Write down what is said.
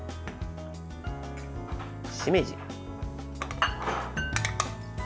しめじ。